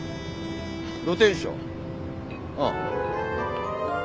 露天商ああ。